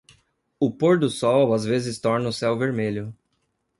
O pôr-do-sol às vezes torna o céu vermelho.